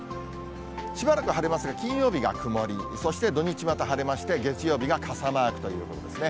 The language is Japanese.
しばらく晴れますが、金曜日が曇り、そして土日また晴れまして、月曜日は傘マークということですね。